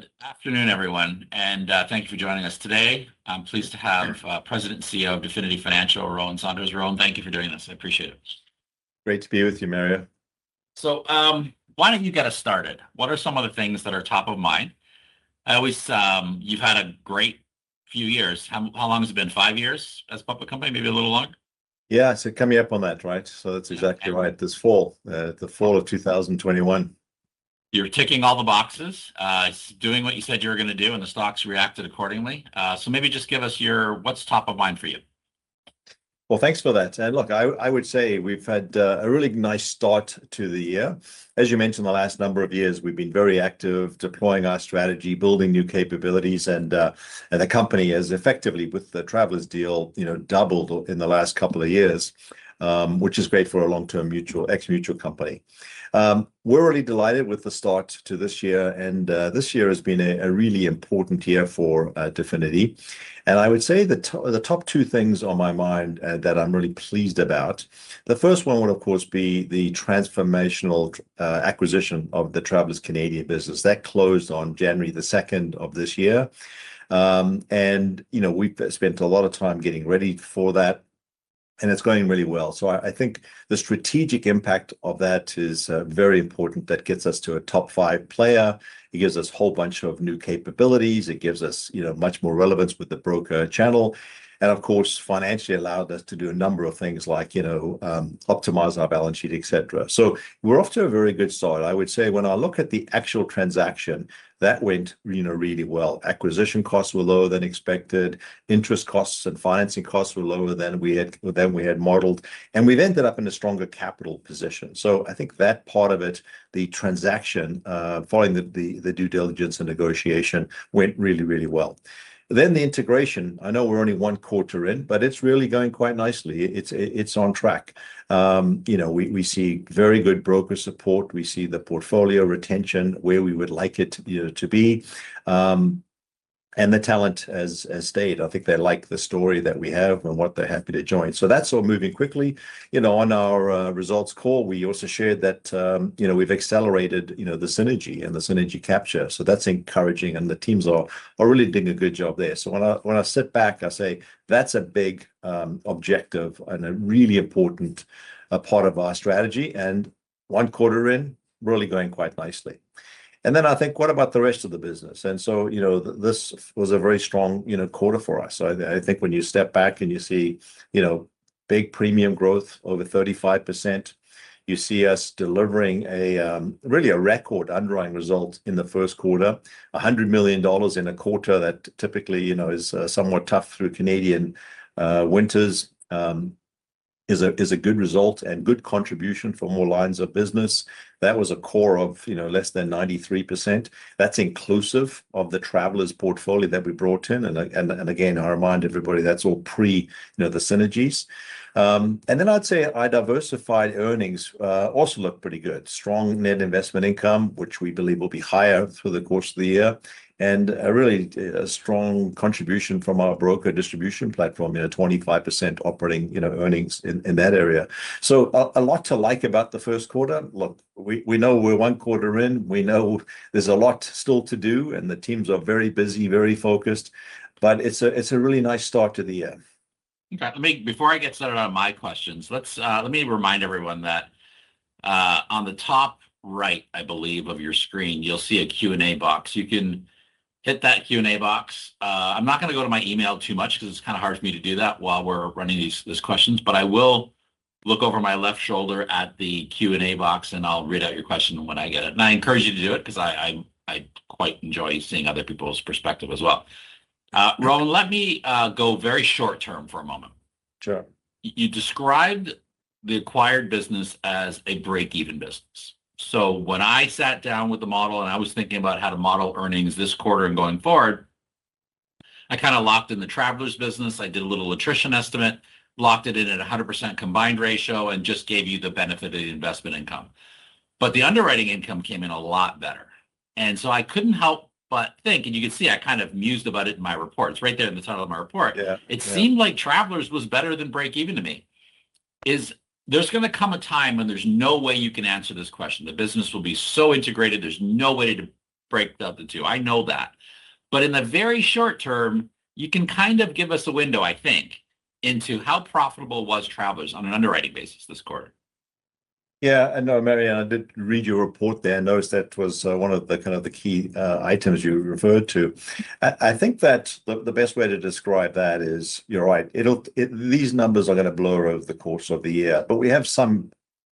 Good afternoon, everyone, and thank you for joining us today. I'm pleased to have President and CEO of Definity Financial, Rowan Saunders. Rowan, thank you for doing this. I appreciate it. Great to be with you, Mario. Why don't you get us started? What are some of the things that are top of mind? You've had a great few years. How, how long has it been? Five years as a public company, maybe a little longer? Yeah, coming up on that, right? That's exactly right. This fall, the fall of 2021. You're ticking all the boxes, doing what you said you were gonna do, and the stock's reacted accordingly. Maybe just give us your what's top of mind for you. Thanks for that. I would say we've had a really nice start to the year. As you mentioned, the last number of years we've been very active deploying our strategy, building new capabilities, the company has effectively, with the Travelers deal, you know, doubled in the last couple of years, which is great for a long-term mutual, ex-mutual company. We're really delighted with the start to this year, this year has been a really important year for Definity. I would say the top two things on my mind that I'm really pleased about, the first one would, of course, be the transformational acquisition of the Travelers Canada business. That closed on January the 2nd of this year. You know, we've spent a lot of time getting ready for that, and it's going really well. I think the strategic impact of that is very important. That gets us to a top five player. It gives us whole bunch of new capabilities. It gives us, you know, much more relevance with the broker channel, and of course, financially allowed us to do a number of things like, you know, optimize our balance sheet, et cetera. We're off to a very good start. I would say when I look at the actual transaction, that went, you know, really well. Acquisition costs were lower than expected, interest costs and financing costs were lower than we had modeled, and we've ended up in a stronger capital position. I think that part of it, the transaction, following the due diligence and negotiation, went really well. The integration. I know we're only one quarter in, but it's really going quite nicely. It's on track. You know, we see very good broker support. We see the portfolio retention where we would like it, you know, to be. The talent has stayed. I think they like the story that we have and what they're happy to join. That's all moving quickly. You know, on our results call we also shared that, you know, we've accelerated, you know, the synergy and the synergy capture, so that's encouraging and the teams are really doing a good job there. When I sit back, I say, "That's a big objective and a really important part of our strategy," and one quarter in, really going quite nicely. I think, "What about the rest of the business?" You know, this was a very strong, you know, quarter for us. I think when you step back and you see, you know, big premium growth, over 35%, you see us delivering a really a record underlying result in the first quarter. 100 million dollars in a quarter that typically, you know, is somewhat tough through Canadian winters, is a good result and good contribution from all lines of business. That was a COR of, you know, less than 93%. That's inclusive of the Travelers portfolio that we brought in and again, I remind everybody, that's all pre, you know, the synergies. Then I'd say our diversified earnings also look pretty good. Strong net investment income, which we believe will be higher through the course of the year, and a really strong contribution from our broker distribution platform. You know, 25% operating, you know, earnings in that area. A lot to like about the first quarter. We know we're one quarter in. We know there's a lot still to do, and the teams are very busy, very focused, but it's a really nice start to the year. Okay. Before I get started on my questions, let me remind everyone that on the top right, I believe, of your screen, you'll see a Q&A box. You can hit that Q&A box. I'm not gonna go to my email too much 'cause it's kind of hard for me to do that while we're running these questions. I will look over my left shoulder at the Q&A box, and I'll read out your question when I get it. I encourage you to do it 'cause I quite enjoy seeing other people's perspective as well. Rowan, let me go very short-term for a moment. Sure. You described the acquired business as a break-even business. When I sat down with the model and I was thinking about how to model earnings this quarter and going forward, I kind of locked in the Travelers business. I did a little attrition estimate, locked it in at 100% combined ratio, and just gave you the benefited investment income. The underwriting income came in a lot better, I couldn't help but think, and you could see I kind of mused about it in my report. It's right there in the title of my report. Yeah. Yeah. It seemed like Travelers was better than break even to me. There's going to come a time when there's no way you can answer this question. The business will be so integrated, there's no way to break up the two. I know that, but in the very short term, you can kind of give us a window, I think, into how profitable was Travelers on an underwriting basis this quarter. Yeah, I know, Mario. I did read your report there. I noticed that was one of the kind of the key items you referred to. I think that the best way to describe that is you're right. These numbers are gonna blur over the course of the year, but we have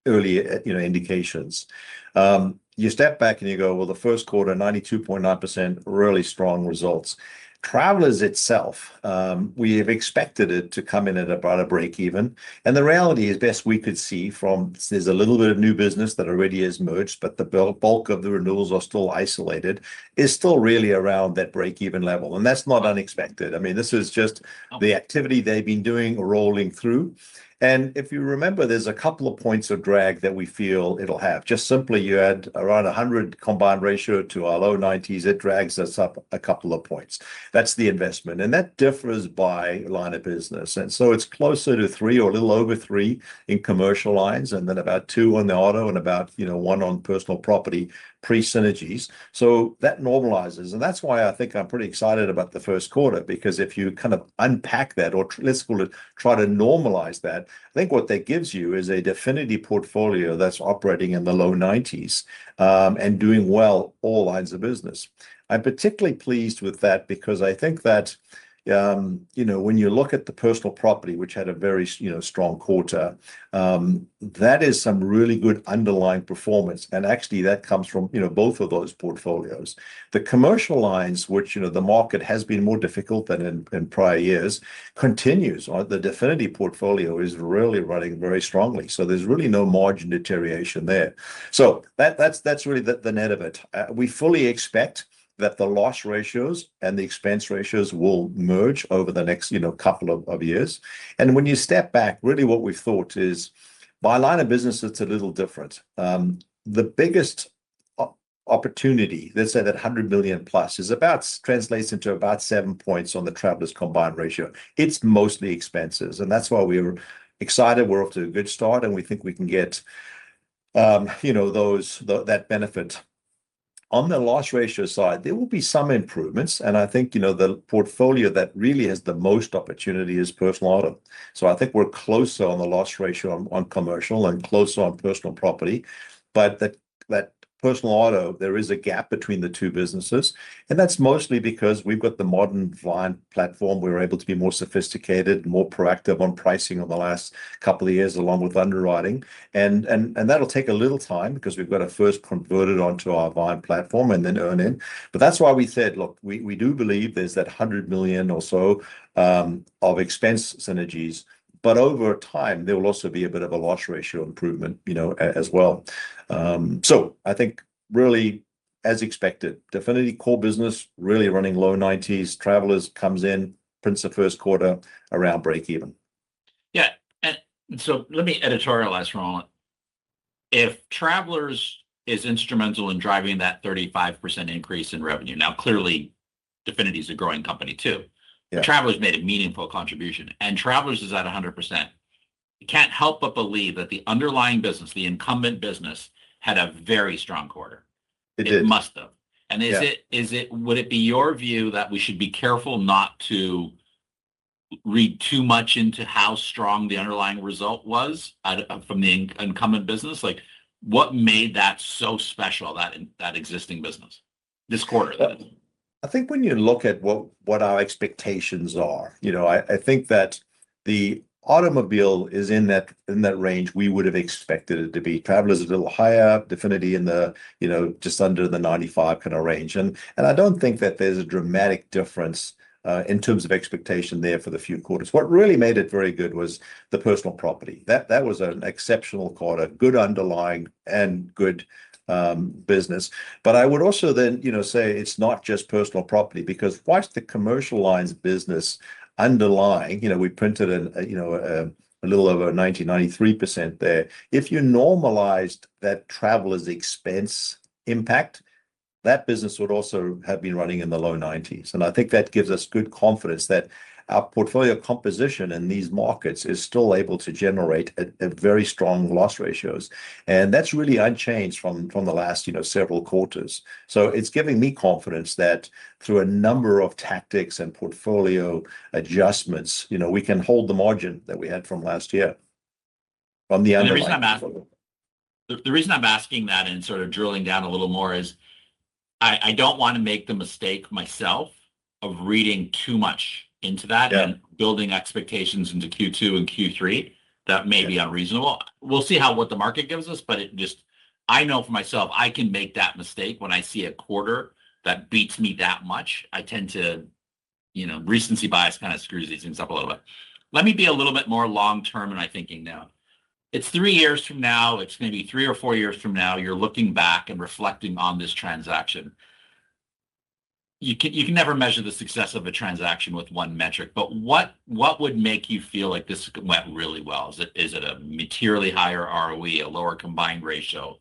Early, you know, indications. You step back and you go, "Well, the first quarter, 92.9%, really strong results." Travelers itself, we have expected it to come in at about a break even. The reality as best we could see from, there's a little bit of new business that already has merged, but the bulk of the renewals are still isolated, is still really around that break even level, and that's not unexpected. I mean, this is just the activity they've been doing rolling through. If you remember, there's a couple of points of drag that we feel it'll have. Just simply you add around 100 combined ratio to our low 90s, it drags us up a couple of points. That's the investment. That differs by line of business. It's closer to three or a little over three in commercial lines, and then about two on the auto, and about, you know, one on personal property pre-synergies. That normalizes, and that's why I think I'm pretty excited about the first quarter because if you kind of unpack that, or let's call it try to normalize that, I think what that gives you is a Definity portfolio that's operating in the low 90s, and doing well all lines of business. I'm particularly pleased with that because I think that, you know, when you look at the personal property, which had a very strong quarter, that is some really good underlying performance, and actually that comes from, you know, both of those portfolios. The commercial lines which, you know, the market has been more difficult than prior years, continues. The Definity portfolio is really running very strongly, so there's really no margin deterioration there. That's really the net of it. We fully expect that the loss ratios and the expense ratios will merge over the next, you know, couple of years. When you step back, really what we've thought is by line of business it's a little different. The biggest opportunity, let's say that 100 million plus, translates into about seven points on the Travelers combined ratio. It's mostly expenses, and that's why we're excited. We're off to a good start, and we think we can get, you know, that benefit. On the loss ratio side, there will be some improvements, and I think, you know, the portfolio that really has the most opportunity is personal auto. I think we're closer on the loss ratio on commercial and closer on personal property, but that personal auto, there is a gap between the two businesses, and that's mostly because we've got the modern Vyne platform. We're able to be more sophisticated and more proactive on pricing over the last couple of years along with underwriting. That'll take a little time because we've got to first convert it onto our Vyne platform and then earn in. That's why we said, look, we do believe there's that 100 million or so of expense synergies, but over time there will also be a bit of a loss ratio improvement, you know, as well. I think really as expected, Definity core business really running low 90s. Travelers comes in, prints the first quarter around break even. Yeah. Let me editorialize for a moment. If Travelers is instrumental in driving that 35% increase in revenue, now clearly Definity's a growing company too. Yeah. Travelers made a meaningful contribution. Travelers is at 100%. You can't help but believe that the underlying business, the incumbent business, had a very strong quarter. It did. It must have. Yeah. Is it, would it be your view that we should be careful not to read too much into how strong the underlying result was at from the incumbent business? Like, what made that so special, that existing business, this quarter that is? I think when you look at what our expectations are, you know, I think that the automobile is in that range we would've expected it to be. Travelers a little higher, Definity in the, you know, just under the 95% kinda range. I don't think that there's a dramatic difference in terms of expectation there for the few quarters. What really made it very good was the personal property. That was an exceptional quarter. Good underlying and good business. I would also then, you know, say it's not just personal property because whilst the commercial lines business underlying, you know, we printed a little over 90%, 93% there. If you normalized that Travelers expense impact, that business would also have been running in the low 90s, and I think that gives us good confidence that our portfolio composition in these markets is still able to generate a very strong loss ratios. That's really unchanged from the last, you know, several quarters. It's giving me confidence that through a number of tactics and portfolio adjustments, you know, we can hold the margin that we had from last year on the underlying portfolio. The reason I'm asking that and sort of drilling down a little more is I don't wanna make the mistake myself of reading too much into that. Yeah. Building expectations into Q2 and Q3 that may be unreasonable. Yeah. We'll see how, what the market gives us, but it just I know for myself I can make that mistake when I see a quarter that beats me that much. I tend to, you know, recency bias kind of screws these things up a little bit. Let me be a little bit more long-term in my thinking now. It's three years from now, it's gonna be three or four years from now, you're looking back and reflecting on this transaction. You can, you can never measure the success of a transaction with one metric, but what would make you feel like this went really well? Is it, is it a materially higher ROE, a lower combined ratio,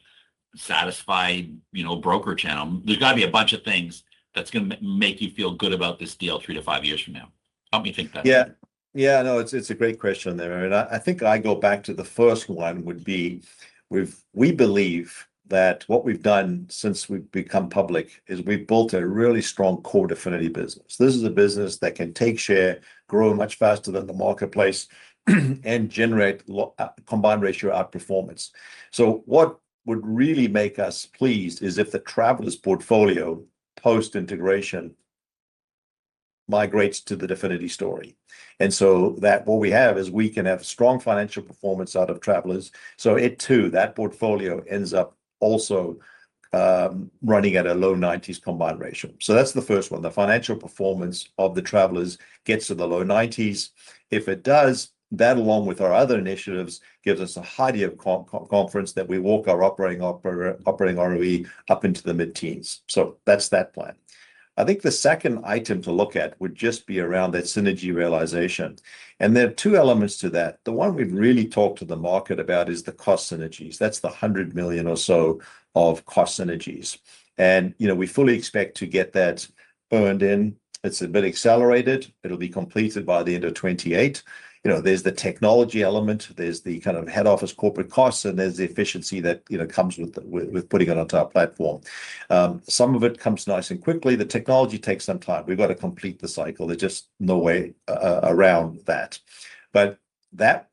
satisfied, you know, broker channel? Yeah. There's gotta be a bunch of things that's gonna make you feel good about this deal three to five years from now. Help me think that through. Yeah. Yeah, no, it's a great question there, Mario. I think I go back to the first one would be we've, we believe that what we've done since we've become public is we've built a really strong COR Definity business. This is a business that can take share, grow much faster than the marketplace, and generate combined ratio outperformance. What would really make us pleased is if the Travelers portfolio post-integration migrates to the Definity story. That what we have is we can have strong financial performance out of Travelers. It too, that portfolio ends up also running at a low 90s combined ratio. That's the first one. The financial performance of the Travelers gets to the low 90s. If it does, that along with our other initiatives gives us a high degree of confidence that we walk our operating ROE up into the mid-teens. That's that plan. I think the second item to look at would just be around that synergy realization, and there are two elements to that. The one we've really talked to the market about is the cost synergies. That's the 100 million or so of cost synergies, and, you know, we fully expect to get that earned in. It's a bit accelerated. It'll be completed by the end of 2028. You know, there's the technology element, there's the kind of head office corporate costs, and there's the efficiency that, you know, comes with putting it onto our platform. Some of it comes nice and quickly. The technology takes some time. We've got to complete the cycle. There's just no way around that. That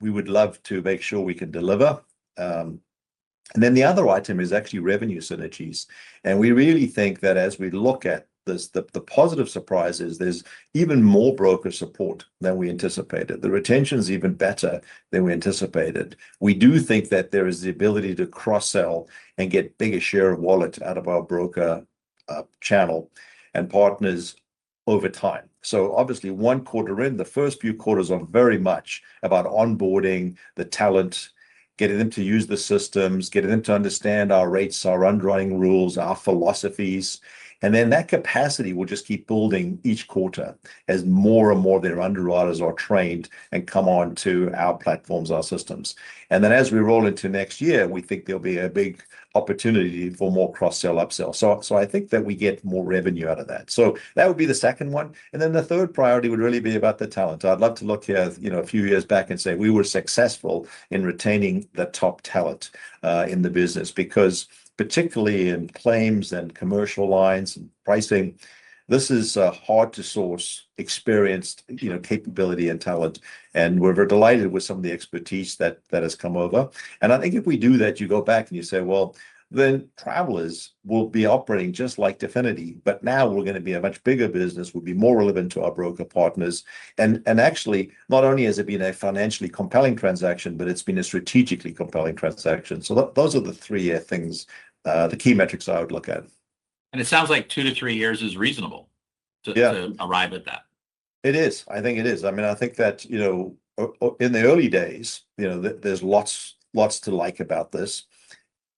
we would love to make sure we can deliver. The other item is actually revenue synergies, we really think that as we look at this, the positive surprise is there's even more broker support than we anticipated. The retention's even better than we anticipated. We do think that there is the ability to cross-sell and get bigger share of wallet out of our broker channel and partners over time. Obviously one quarter in, the first few quarters are very much about onboarding the talent, getting them to use the systems, getting them to understand our rates, our underwriting rules, our philosophies, and then that capacity will just keep building each quarter as more and more of their underwriters are trained and come onto our platforms, our systems. As we roll into next year, we think there'll be a big opportunity for more cross-sell, up-sell. I think that we get more revenue out of that. That would be the second one. The third priority would really be about the talent. I'd love to look here, you know, a few years back and say we were successful in retaining the top talent in the business because particularly in claims and commercial lines and pricing, this is hard to source experienced, you know, capability and talent, and we're very delighted with some of the expertise that has come over. I think if we do that, you go back and you say, "Well, then Travelers will be operating just like Definity, but now we're gonna be a much bigger business. We'll be more relevant to our broker partners. Actually, not only has it been a financially compelling transaction, but it's been a strategically compelling transaction. Those are the three things, the key metrics I would look at. It sounds like two to three years is reasonable. Yeah. To arrive at that. It is. I think it is. I mean, I think that, you know, in the early days, you know, there's lots to like about this.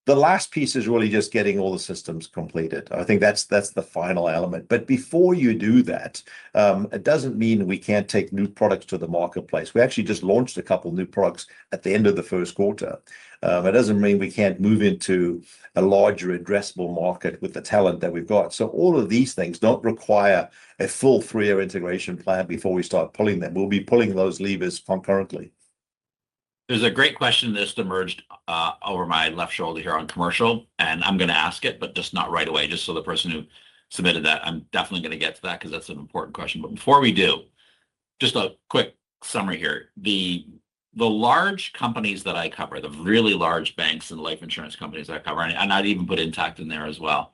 The last piece is really just getting all the systems completed. I think that's the final element. Before you do that, it doesn't mean we can't take new products to the marketplace. We actually just launched a couple new products at the end of the first quarter. It doesn't mean we can't move into a larger addressable market with the talent that we've got. All of these things don't require a full three-year integration plan before we start pulling them. We'll be pulling those levers concurrently. There's a great question just emerged over my left shoulder here on commercial, and I'm gonna ask it, but just not right away, just so the person who submitted that, I'm definitely gonna get to that 'cause that's an important question. Before we do, just a quick summary here. The large companies that I cover, the really large banks and life insurance companies that I cover, and I'd even put Intact in there as well,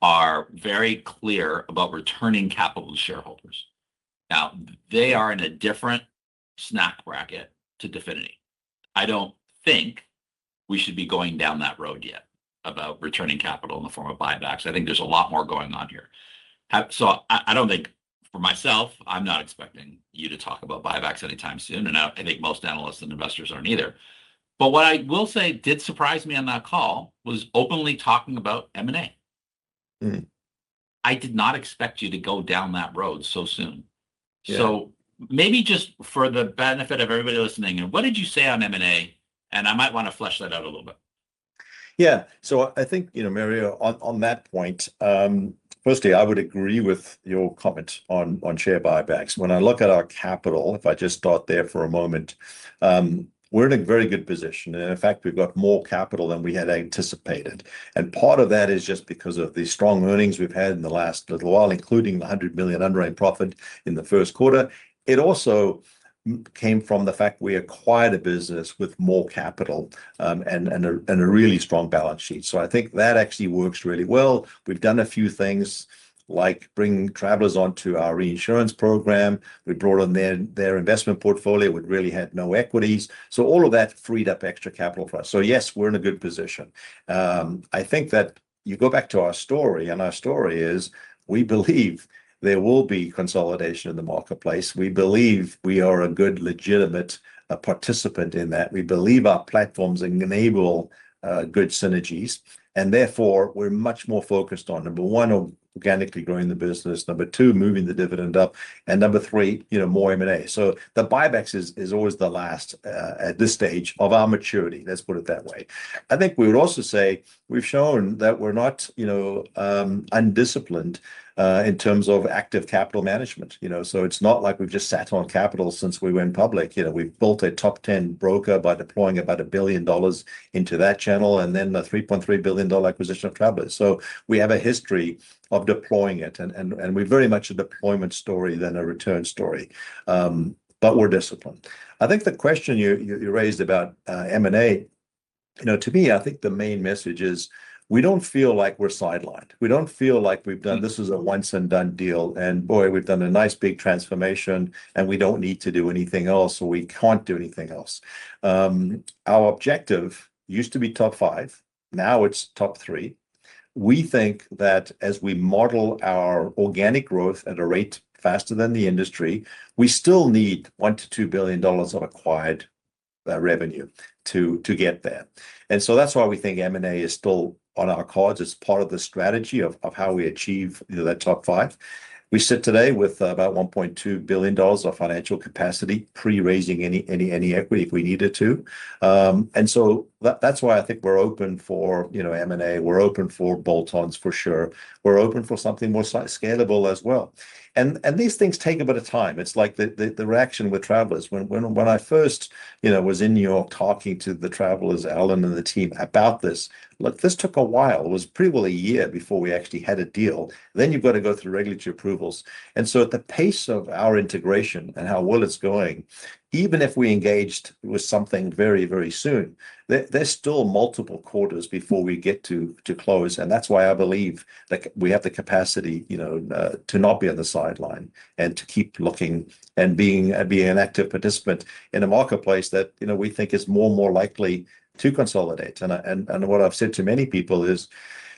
are very clear about returning capital to shareholders. Now, they are in a different tax bracket to Definity. I don't think we should be going down that road yet about returning capital in the form of buybacks. I think there's a lot more going on here. I don't think, for myself, I'm not expecting you to talk about buybacks anytime soon, and I think most analysts and investors aren't either. What I will say did surprise me on that call was openly talking about M&A. I did not expect you to go down that road so soon. Yeah. Maybe just for the benefit of everybody listening, what did you say on M&A? I might want to flesh that out a little bit. Yeah. I think, you know, Mario, on that point, firstly, I would agree with your comment on share buybacks. When I look at our capital, if I just start there for a moment, we're in a very good position, and in fact, we've got more capital than we had anticipated. Part of that is just because of the strong earnings we've had in the last little while, including the 100 million underwriting profit in the first quarter. It also came from the fact we acquired a business with more capital, and a really strong balance sheet. I think that actually works really well. We've done a few things like bring Travelers onto our reinsurance program. We brought on their investment portfolio, which really had no equities. All of that freed up extra capital for us. Yes, we're in a good position. I think that you go back to our story, and our story is we believe there will be consolidation in the marketplace. We believe we are a good, legitimate participant in that. We believe our platforms enable good synergies, and therefore, we're much more focused on, number one, organically growing the business, number two, moving the dividend up, and number three, you know, more M&A. The buybacks is always the last at this stage of our maturity, let's put it that way. I think we would also say we've shown that we're not, you know, undisciplined in terms of active capital management, you know. It's not like we've just sat on capital since we went public. You know, we've built a top 10 broker by deploying about 1 billion dollars into that channel and then the 3.3 billion dollar acquisition of Travelers. We have a history of deploying it, and we're very much a deployment story than a return story. We're disciplined. I think the question you raised about M&A. You know, to me, I think the main message is we don't feel like we're sidelined. This is a once and done deal, and boy, we've done a nice big transformation, and we don't need to do anything else, or we can't do anything else. Our objective used to be top five, now it's top three. We think that as we model our organic growth at a rate faster than the industry, we still need 1 billion-2 billion dollars of acquired revenue to get there. That's why we think M&A is still on our cards as part of the strategy of how we achieve, you know, that top five. We sit today with about 1.2 billion dollars of financial capacity pre-raising any equity if we needed to. That's why I think we're open for, you know, M&A. We're open for bolt-ons, for sure. We're open for something more scalable as well. These things take a bit of time. It's like the, the reaction with Travelers when, when I first, you know, was in New York talking to the Travelers, Alan and the team about this. Look, this took a while. It was pretty well one year before we actually had a deal. You've got to go through regulatory approvals. At the pace of our integration and how well it's going, even if we engaged with something very, very soon, there's still multiple quarters before we get to close, and that's why I believe, like, we have the capacity, you know, to not be on the sideline and to keep looking and being an active participant in a marketplace that, you know, we think is more and more likely to consolidate. What I've said to many people is,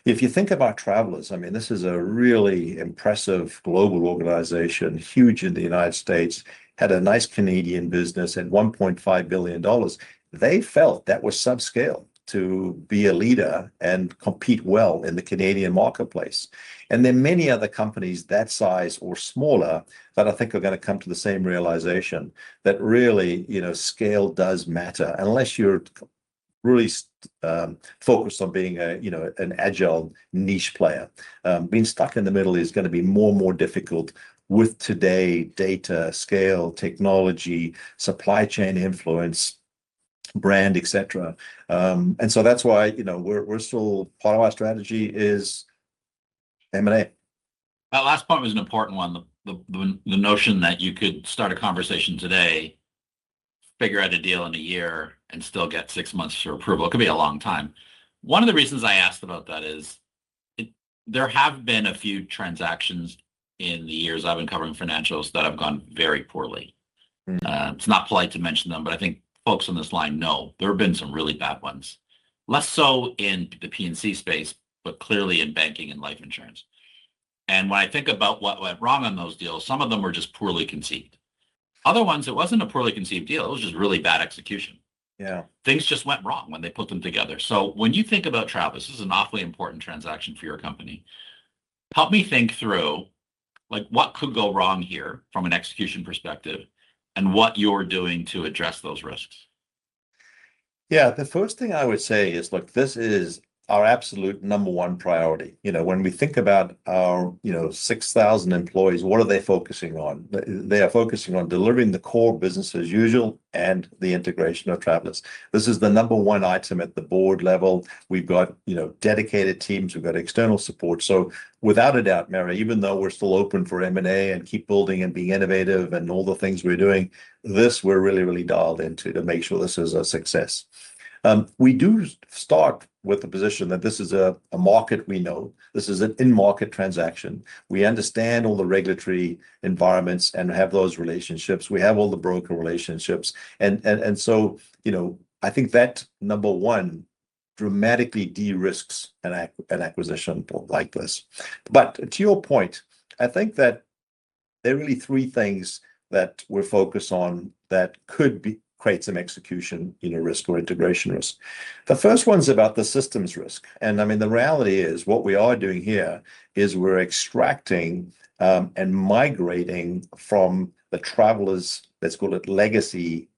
if you think about Travelers, I mean, this is a really impressive global organization, huge in the United States, had a nice Canadian business and 1.5 billion dollars. They felt that was subscale to be a leader and compete well in the Canadian marketplace. There are many other companies that size or smaller that I think are gonna come to the same realization that really, you know, scale does matter. Unless you're really focused on being a, you know, an agile niche player, being stuck in the middle is gonna be more and more difficult with today data, scale, technology, supply chain influence, brand, et cetera. That's why, you know, we're still Part of our strategy is M&A. That last point was an important one. The notion that you could start a conversation today, figure out a deal in a year, and still get six months for approval. It could be a long time. One of the reasons I asked about that is there have been a few transactions in the years I've been covering financials that have gone very poorly. It's not polite to mention them, but I think folks on this line know there have been some really bad ones. Less so in the P&C space, but clearly in banking and life insurance. When I think about what went wrong on those deals, some of them were just poorly conceived. Other ones, it wasn't a poorly conceived deal, it was just really bad execution. Yeah. Things just went wrong when they put them together. When you think about Travelers, this is an awfully important transaction for your company. Help me think through, like, what could go wrong here from an execution perspective, and what you're doing to address those risks. Yeah. The first thing I would say is, look, this is our absolute number one priority. You know, when we think about our, you know, 6,000 employees, what are they focusing on? They are focusing on delivering the COR business as usual and the integration of Travelers. This is the number one item at the board level. We've got, you know, dedicated teams. We've got external support. Without a doubt, Mario, even though we're still open for M&A and keep building and being innovative and all the things we're doing, this, we're really, really dialed into to make sure this is a success. We do start with the position that this is a market we know. This is an in-market transaction. We understand all the regulatory environments and have those relationships. We have all the broker relationships. You know, I think that, number one, dramatically de-risks an acquisition like this. To your point, I think that there are really three things that we're focused on that could create some execution, you know, risk or integration risk. The first one's about the systems risk. I mean, the reality is, what we are doing here is we're extracting and migrating from the Travelers, let's call it legacy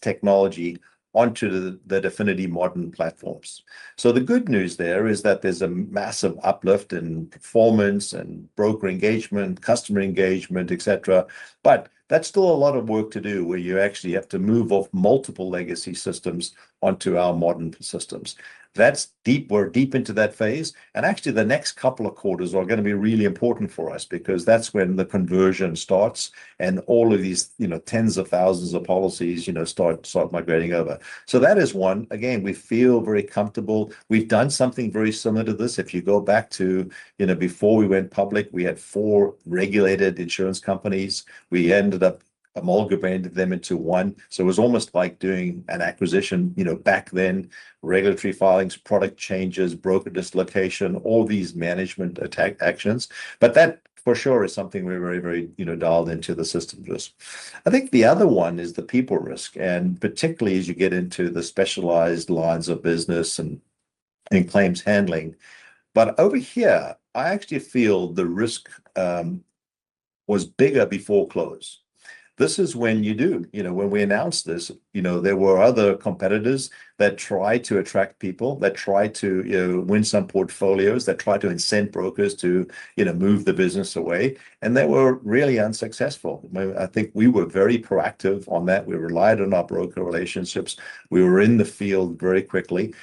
technology, onto the Definity modern platforms. The good news there is that there's a massive uplift in performance and broker engagement, customer engagement, et cetera, but that's still a lot of work to do, where you actually have to move off multiple legacy systems onto our modern systems. That's deep. We're deep into that phase. Actually, the next couple of quarters are gonna be really important for us because that's when the conversion starts and all of these, you know, tens of thousands of policies, you know, start migrating over. That is one. Again, we feel very comfortable. We've done something very similar to this. If you go back to, you know, before we went public, we had four regulated insurance companies. We ended up amalgamating them into one, so it was almost like doing an acquisition, you know, back then. Regulatory filings, product changes, broker dislocation, all these management actions. That, for sure, is something we're very, you know, dialed into the systems risk. I think the other one is the people risk, and particularly as you get into the specialized lines of business and claims handling. Over here, I actually feel the risk was bigger before close. You know, when we announced this, you know, there were other competitors that tried to attract people, that tried to, you know, win some portfolios, that tried to incent brokers to, you know, move the business away, and they were really unsuccessful. I think we were very proactive on that. We relied on our broker relationships. We were in the field very quickly.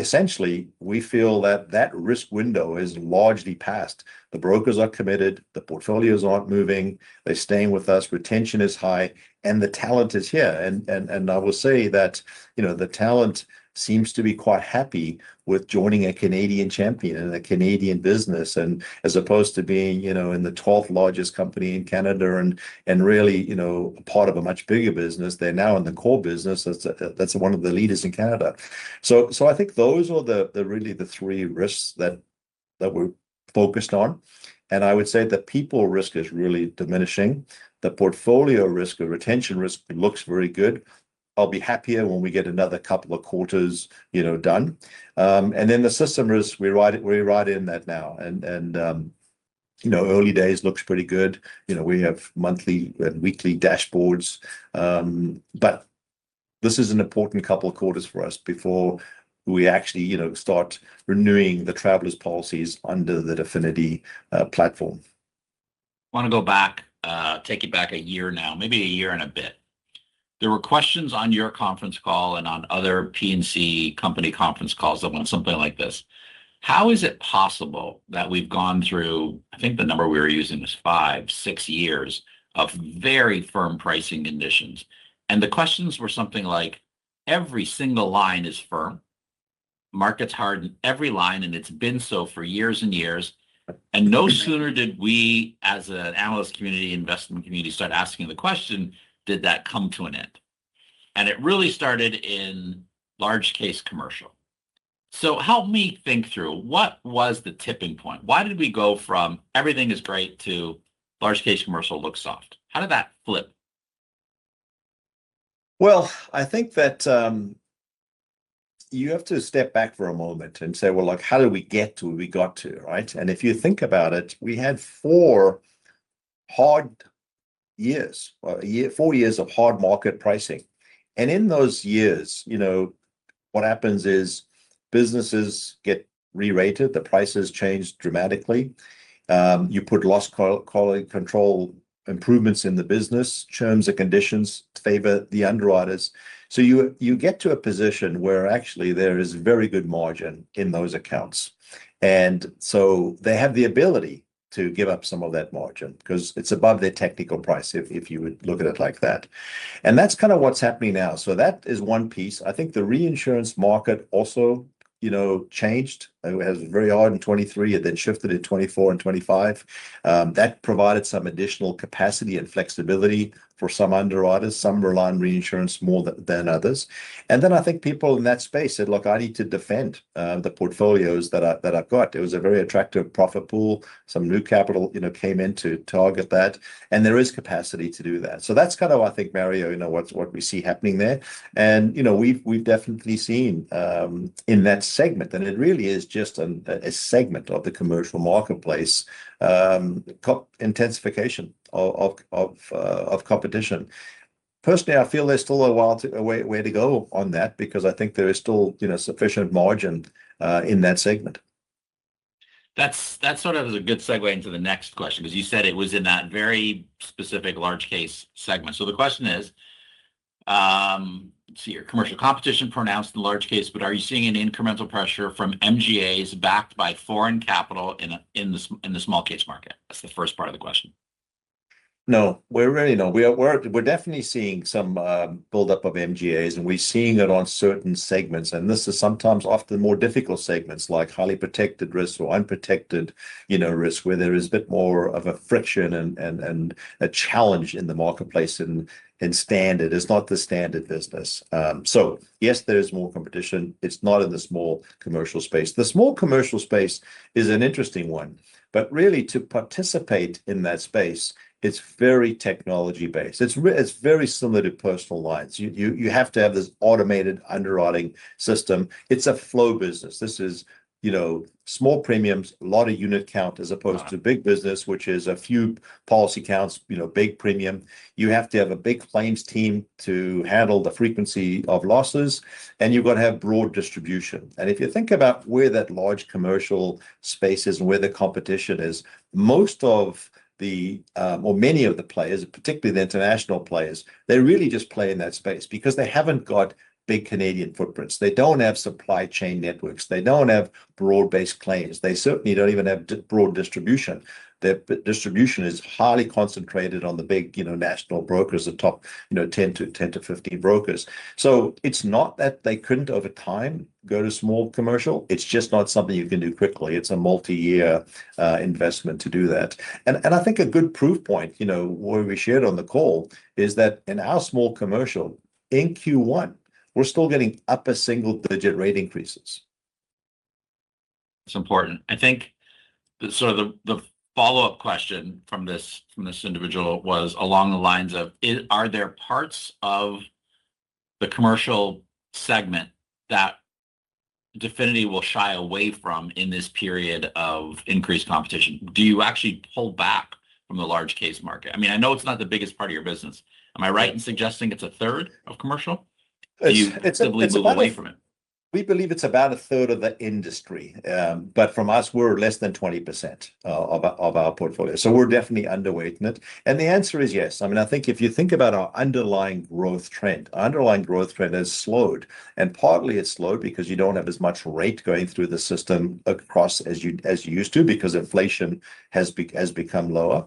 Essentially, we feel that that risk window is largely passed. The brokers are committed. The portfolios aren't moving. They're staying with us. Retention is high. The talent is here. I will say that, you know, the talent seems to be quite happy with joining a Canadian champion and a Canadian business and as opposed to being, you know, in the 12th largest company in Canada and really, you know, part of a much bigger business. They're now in the COR business that's one of the leaders in Canada. I think those are the really the three risks that we're focused on. I would say the people risk is really diminishing. The portfolio risk, the retention risk looks very good. I'll be happier when we get another couple of quarters, you know, done. Then the system risk, we're right in that now and, you know, early days looks pretty good. You know, we have monthly and weekly dashboards. This is an important couple of quarters for us before we actually, you know, start renewing the Travelers policies under the Definity platform. Wanna go back, take you back a year now, maybe a year and a bit. There were questions on your conference call and on other P&C company conference calls that went something like this: How is it possible that we've gone through, I think the number we were using was five, six years of very firm pricing conditions? The questions were something like, every single line is firm, markets hard in every line, and it's been so for years and years. Yeah. No sooner did we as an analyst community, investment community, start asking the question did that come to an end? It really started in large case commercial. Help me think through what was the tipping point? Why did we go from everything is great to large case commercial looks soft? How did that flip? Well, I think that, you have to step back for a moment and say, "Well, like how did we get to where we got to?" Right? If you think about it, we had four years of hard market pricing. In those years, you know, what happens is businesses get re-rated, the prices change dramatically. You put loss quality control improvements in the business, terms and conditions favor the underwriters. You get to a position where actually there is very good margin in those accounts. They have the ability to give up some of that margin, 'cause it's above their technical price if you would look at it like that. That's kind of what's happening now, so that is one piece. I think the reinsurance market also, you know, changed, was very hard in 2023, and then shifted in 2024 and 2025. That provided some additional capacity and flexibility for some underwriters. Some rely on reinsurance more than others. Then I think people in that space said, "Look, I need to defend the portfolios that I've got." It was a very attractive profit pool. Some new capital, you know, came in to target that, and there is capacity to do that. That's kind of, I think, Mario, you know, what we see happening there. You know, we've definitely seen in that segment, and it really is just a segment of the commercial marketplace, intensification of competition. Personally, I feel there's still a way to go on that because I think there is still, you know, sufficient margin in that segment. That's, that sort of is a good segue into the next question, 'cause you said it was in that very specific large case segment. The question is, let's see here, commercial competition pronounced in large case, but are you seeing an incremental pressure from MGAs backed by foreign capital in the small case market? That's the first part of the question. No. We're really not. We are, we're definitely seeing some buildup of MGAs, and we're seeing it on certain segments, and this is sometimes often the more difficult segments like highly protected risk or unprotected, you know, risk where there is a bit more of a friction and a challenge in the marketplace than standard. It's not the standard business. Yes, there is more competition. It's not in the small commercial space. The small commercial space is an interesting one, really to participate in that space, it's very technology-based. It's very similar to personal lines. You have to have this automated underwriting system. It's a flow business. This is, you know, small premiums, a lot of unit count- as opposed to big business, which is a few policy counts, you know, big premium. You have to have a big claims team to handle the frequency of losses, and you've gotta have broad distribution. If you think about where that large commercial space is and where the competition is, most of the, or many of the players, and particularly the international players, they really just play in that space because they haven't got big Canadian footprints. They don't have supply chain networks. They don't have broad-based claims. They certainly don't even have broad distribution. Their distribution is highly concentrated on the big, you know, national brokers, the top, you know, 10 to 15 brokers. It's not that they couldn't over time go to small commercial, it's just not something you can do quickly. It's a multi-year investment to do that. I think a good proof point, you know, what we shared on the call, is that in our small commercial in Q1, we're still getting upper single-digit rate increases. It's important. I think the follow-up question from this individual was along the lines of, "Are there parts of the commercial segment that Definity will shy away from in this period of increased competition? Do you actually pull back from the large case market?" I mean, I know it's not the biggest part of your business. Am I right in suggesting it's a third of commercial? It's about it. Do you simply move away from it? We believe it's about a third of the industry. But from us, we're less than 20% of our portfolio. We're definitely underweight in it. The answer is yes. I mean, I think if you think about our underlying growth trend, underlying growth trend has slowed, and partly it's slowed because you don't have as much rate going through the system across as you used to because inflation has become lower.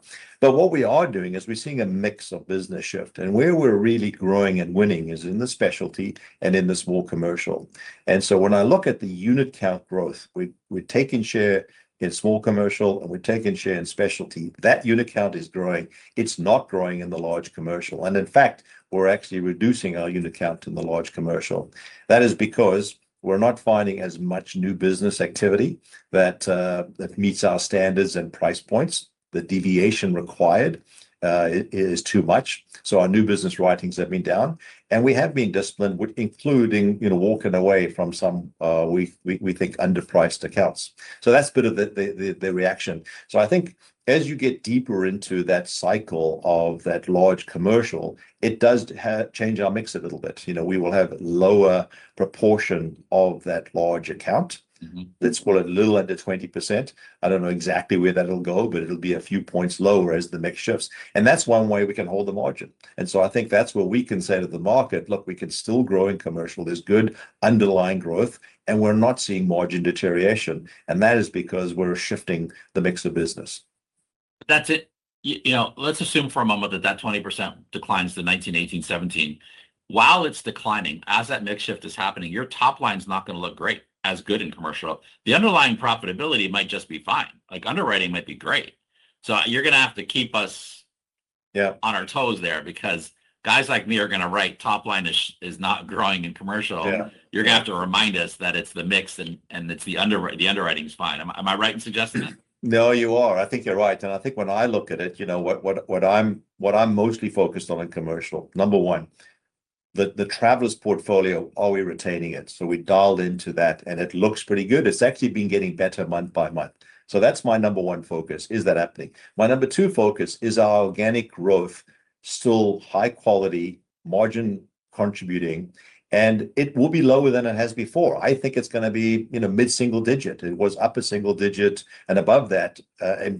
What we are doing is we're seeing a mix of business shift, and where we're really growing and winning is in the specialty and in the small commercial. When I look at the unit count growth, we're taking share in small commercial and we're taking share in specialty. That unit count is growing. It's not growing in the large commercial. In fact, we're actually reducing our unit count in the large commercial. That is because we're not finding as much new business activity that meets our standards and price points. The deviation required is too much, so our new business writings have been down. We have been disciplined with including, you know, walking away from some we think underpriced accounts. That's a bit of the reaction. I think as you get deeper into that cycle of that large commercial, it does change our mix a little bit. You know, we will have lower proportion of that large account. Let's call it a little under 20%. I don't know exactly where that'll go, but it'll be a few points lower as the mix shifts. I think that's where we can say to the market, "Look, we can still grow in commercial. There's good underlying growth, and we're not seeing margin deterioration," and that is because we're shifting the mix of business. That's it. You know, let's assume for a moment that that 20% declines to 19, 18, 17. While it's declining, as that mix shift is happening, your top line's not gonna look great, as good in commercial. The underlying profitability might just be fine. Like, underwriting might be great. You're gonna have to keep us- Yeah. on our toes there because guys like me are gonna write top line is not growing in commercial. Yeah. Yeah. You're gonna have to remind us that it's the mix and it's the underwriting's fine. Am I right in suggesting that? No, you are. I think you're right, and I think when I look at it, you know, what I'm mostly focused on in commercial, number one, the Travelers portfolio, are we retaining it? We dialed into that, and it looks pretty good. It's actually been getting better month by month. That's my number one focus, is that happening? My number two focus, is our organic growth still high quality, margin contributing? It will be lower than it has before. I think it's gonna be, you know, mid-single digit. It was upper single digit and above that,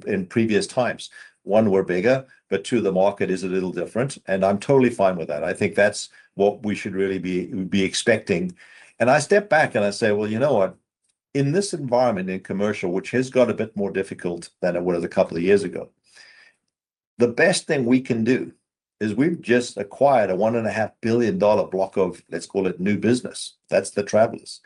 in previous times. One, we're bigger, but two, the market is a little different, and I'm totally fine with that. I think that's what we should really be expecting. I step back and I say, "Well, you know what? In this environment, in commercial, which has got a bit more difficult than it was a couple of years ago, the best thing we can do is we've just acquired a 1.5 billion dollar block of let's call it new business. That's the Travelers.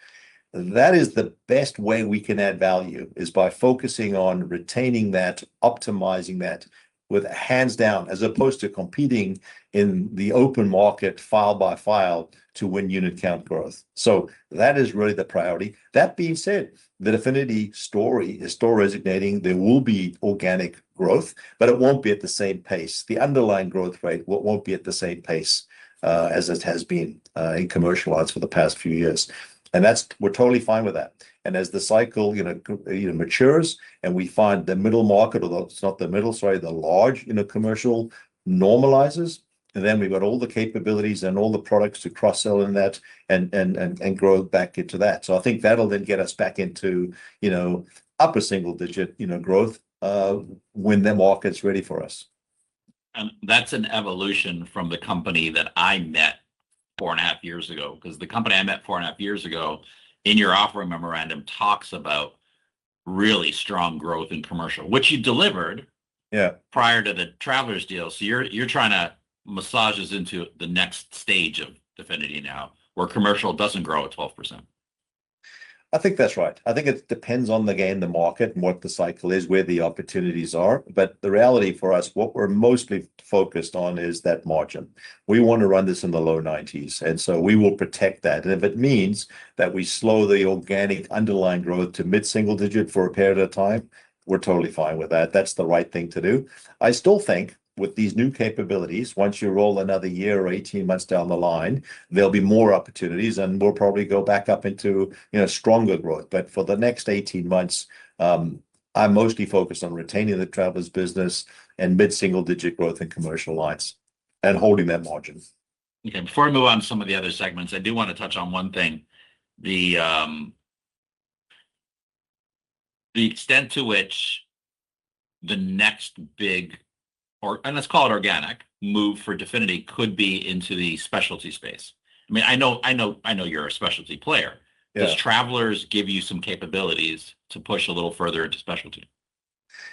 That is the best way we can add value, is by focusing on retaining that, optimizing that with hands down, as opposed to competing in the open market file by file to win unit count growth. That is really the priority. That being said, the Definity story is still resonating. There will be organic growth, but it won't be at the same pace. The underlying growth rate won't be at the same pace as it has been in commercial for the past few years, and that's, we're totally fine with that. As the cycle, you know, matures and we find the middle market, or the it's not the middle, sorry, the large in the commercial normalizes, and then we've got all the capabilities and all the products to cross-sell in that and grow back into that. I think that'll then get us back into, you know, upper single-digit, you know, growth when that market's ready for us. That's an evolution from the company that I met four and a half years ago, 'cause the company I met four and a half years ago in your offering memorandum talks about really strong growth in commercial, which you delivered. Yeah. Prior to the Travelers deal. You're trying to massage us into the next stage of Definity now, where commercial doesn't grow at 12%. I think that's right. I think it depends on the game, the market, and what the cycle is, where the opportunities are. The reality for us, what we're mostly focused on is that margin. We want to run this in the low 90s, we will protect that. If it means that we slow the organic underlying growth to mid-single digit for a period of time, we're totally fine with that. That's the right thing to do. I still think with these new capabilities, once you roll another year or 18 months down the line, there'll be more opportunities, and we'll probably go back up into, you know, stronger growth. For the next 18 months, I'm mostly focused on retaining the Travelers business and mid-single digit growth in commercial lines and holding that margin. Okay. Before I move on to some of the other segments, I do wanna touch on one thing, the extent to which the next big, or and let's call it organic, move for Definity could be into the specialty space. I mean, I know you're a specialty player. Yeah. Does Travelers give you some capabilities to push a little further into specialty?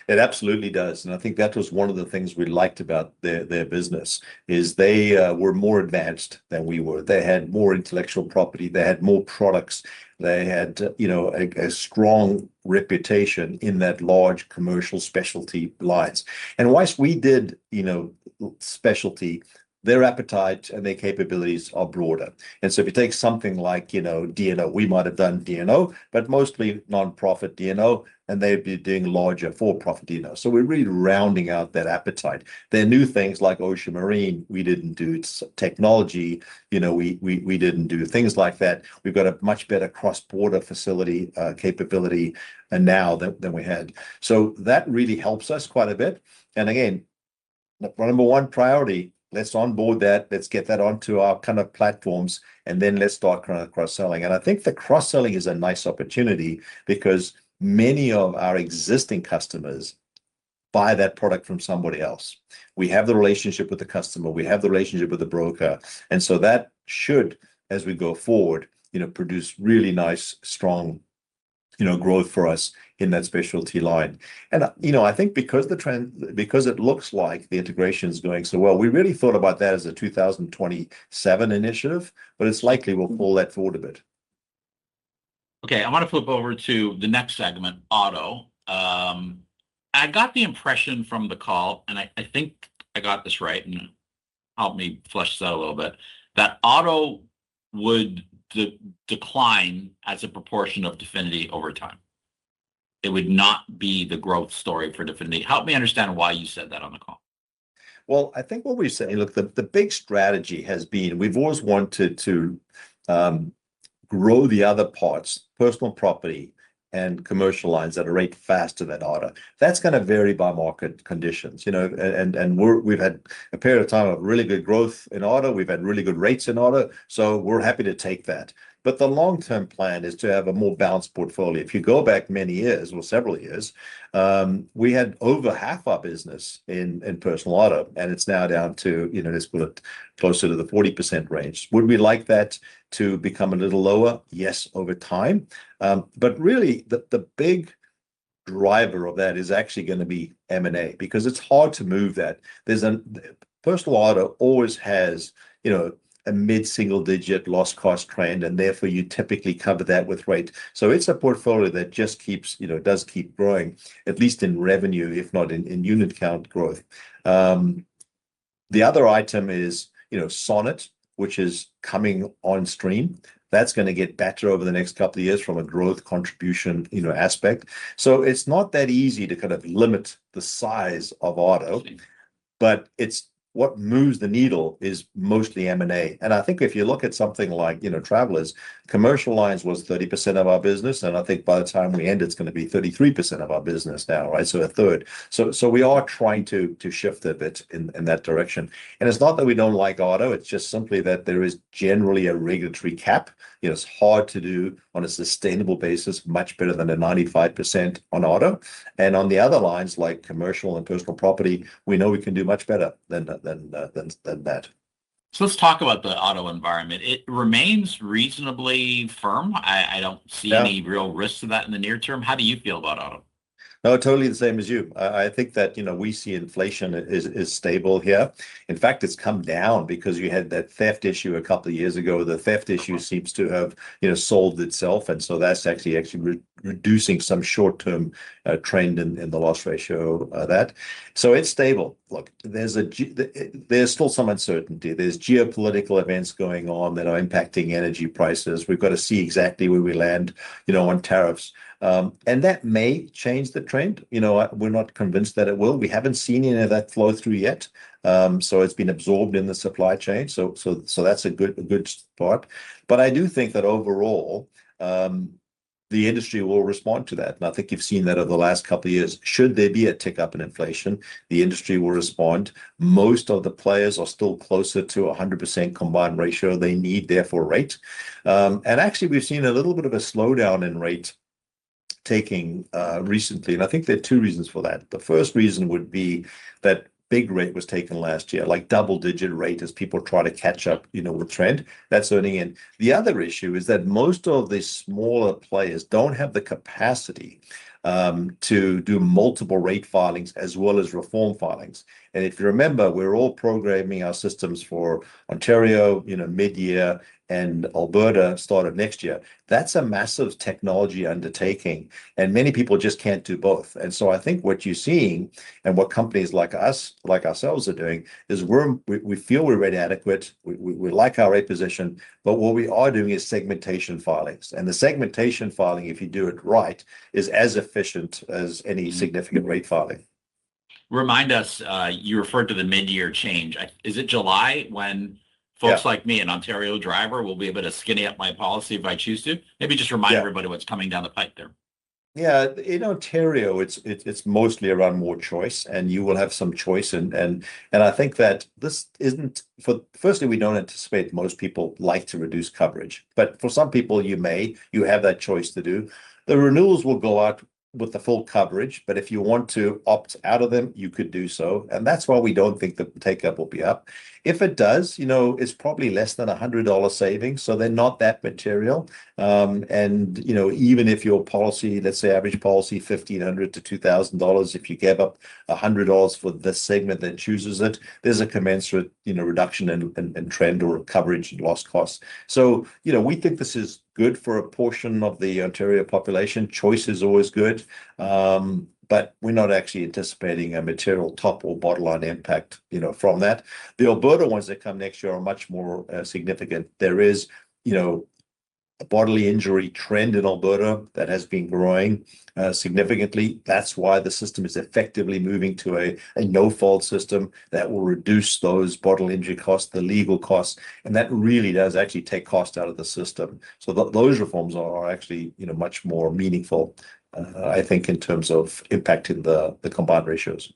It absolutely does. I think that was one of the things we liked about their business, is they were more advanced than we were. They had more intellectual property. They had more products. They had, you know, a strong reputation in that large commercial specialty lines. Whilst we did, you know, specialty, their appetite and their capabilities are broader. If you take something like, you know, D&O, we might have done D&O, but mostly non-profit D&O, and they'd be doing larger for-profit D&O. We're really rounding out that appetite. There are new things like ocean marine we didn't do, technology, you know, we didn't do, things like that. We've got a much better cross-border facility, capability now than we had. That really helps us quite a bit. Again, number one priority, let's onboard that, let's get that onto our kind of platforms, and then let's start kind of cross-selling. I think the cross-selling is a nice opportunity because many of our existing customers buy that product from somebody else. We have the relationship with the customer, we have the relationship with the broker, that should, as we go forward, you know, produce really nice, strong, you know, growth for us in that specialty line. You know, I think because it looks like the integration's going so well, we really thought about that as a 2027 initiative, but it's likely we'll pull that forward a bit. Okay, I wanna flip over to the next segment, auto. I got the impression from the call, and I think I got this right, and help me flesh this out a little bit, that auto would decline as a proportion of Definity over time. It would not be the growth story for Definity. Help me understand why you said that on the call? Well, I think what we're saying, look, the big strategy has been we've always wanted to grow the other parts, personal property and commercial lines at a rate faster than auto. That's gonna vary by market conditions, you know. We've had a period of time of really good growth in auto. We've had really good rates in auto. We're happy to take that. The long-term plan is to have a more balanced portfolio. If you go back many years, well, several years, we had over half our business in personal auto, and it's now down to, you know, let's put it closer to the 40% range. Would we like that to become a little lower? Yes, over time. Really, the big driver of that is actually gonna be M&A because it's hard to move that. Personal auto always has, you know, a mid-single-digit loss cost trend. Therefore, you typically cover that with rate. It's a portfolio that just keeps, you know, growing, at least in revenue if not in unit count growth. The other item is, you know, Sonnet, which is coming on stream. That's gonna get better over the next couple of years from a growth contribution, you know, aspect. It's not that easy to kind of limit the size of auto. I see. It's what moves the needle is mostly M&A. I think if you look at something like, you know, Travelers, commercial lines was 30% of our business, and I think by the time we end, it's gonna be 33% of our business now, right? A third. We are trying to shift a bit in that direction. It's not that we don't like auto, it's just simply that there is generally a regulatory cap. You know, it's hard to do on a sustainable basis much better than a 95% on auto. On the other lines, like commercial and personal property, we know we can do much better than that, than that. Let's talk about the auto environment. It remains reasonably firm. Yeah. I don't see any real risk to that in the near term. How do you feel about auto? No, totally the same as you. I think that, you know, we see inflation is stable here. In fact, it's come down because you had that theft issue a couple of years ago. The theft issue seems to have, you know, solved itself, that's actually reducing some short-term trend in the loss ratio of that. It's stable. Look, there's still some uncertainty. There's geopolitical events going on that are impacting energy prices. We've got to see exactly where we land, you know, on tariffs. That may change the trend. You know, we're not convinced that it will. We haven't seen any of that flow through yet. It's been absorbed in the supply chain. That's a good start. I do think that overall, the industry will respond to that, and I think you've seen that over the last couple of years. Should there be a tick-up in inflation, the industry will respond. Most of the players are still closer to 100% combined ratio they need, therefore rate. Actually we've seen a little bit of a slowdown in rate taking recently, and I think there are two reasons for that. The first reason would be that big rate was taken last year, like double-digit rate as people try to catch up, you know, with trend. That's earning. The other issue is that most of the smaller players don't have the capacity to do multiple rate filings as well as reform filings. If you remember, we're all programming our systems for Ontario, you know, midyear and Alberta start of next year. That's a massive technology undertaking, and many people just can't do both. So I think what you're seeing and what companies like us, like ourselves are doing, is we feel we're rate adequate. We like our rate position. What we are doing is segmentation filings. The segmentation filing, if you do it right, is as efficient as any significant rate filing. Remind us, you referred to the midyear change. Is it July when folks- Yeah. like me, an Ontario driver, will be able to skinny up my policy if I choose to? Maybe just remind everybody. Yeah. What's coming down the pipe there? In Ontario, it's mostly around more choice. You will have some choice. I think that we don't anticipate most people like to reduce coverage. For some people you have that choice to do. The renewals will go out with the full coverage. If you want to opt out of them, you could do so. That's why we don't think the take-up will be up. If it does, you know, it's probably less than 100 dollar savings. They're not that material. You know, even if your policy, let's say average policy, 1,500-2,000 dollars, if you gave up 100 dollars for the segment that chooses it, there's a commensurate, you know, reduction in trend or coverage and loss costs. you know, we think this is good for a portion of the Ontario population. Choice is always good. We're not actually anticipating a material top or bottom line impact, you know, from that. The Alberta ones that come next year are much more significant. There is, you know, a bodily injury trend in Alberta that has been growing significantly. That's why the system is effectively moving to a no-fault system that will reduce those bodily injury costs, the legal costs, and that really does actually take cost out of the system. Those reforms are actually, you know, much more meaningful, I think, in terms of impacting the combined ratios.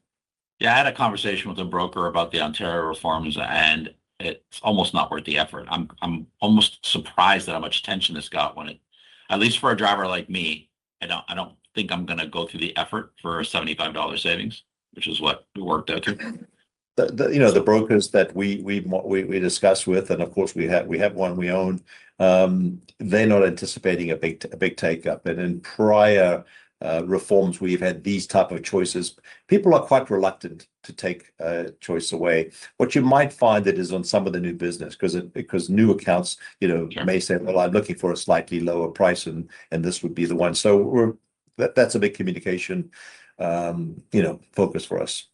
Yeah, I had a conversation with a broker about the Ontario reforms, and it's almost not worth the effort. I'm almost surprised at how much attention this got when it. At least for a driver like me, I don't think I'm gonna go through the effort for a 75 dollar savings, which is what it worked out to. The, you know, the brokers that we discuss with, and of course we have one we own, they're not anticipating a big take up. In prior reforms we've had these type of choices, people are quite reluctant to take a choice away. What you might find it is on some of the new business, because new accounts- Sure. may say, "Well, I'm looking for a slightly lower price and this would be the one." We're, that's a big communication, you know, focus for us.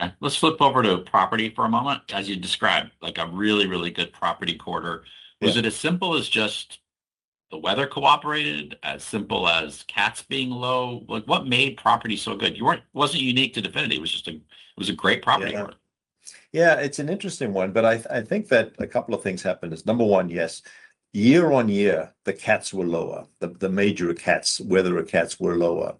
Okay, let's flip over to property for a moment. As you describe, like a really, really good property quarter. Yeah. Was it as simple as just the weather cooperated? As simple as CATs being low? Like, what made property so good? Wasn't unique to Definity. It was just a great property quarter. Yeah. Yeah, it's an interesting one, but I think that a couple of things happened is, number one, yes, year-over-year the CATs were lower. The major CATs, weather CATs were lower.